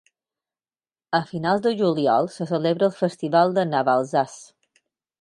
A finals de juliol se celebra el festival de Navalsaz.